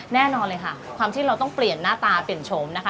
แน่นอนเลยค่ะความที่เราต้องเปลี่ยนหน้าตาเปลี่ยนชมนะคะ